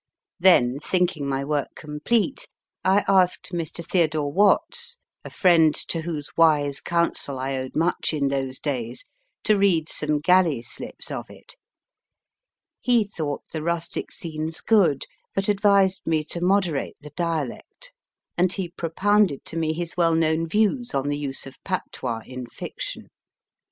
Then, thinking my work complete, T asked Mr. Theodore Watts (a friend to whose wise counsel I owed much in those days) to read some galley slips of it. He thought the rustic scenes good, but advised me to moderate the dialect, and he propounded to me his well known views on the use of patois in fiction.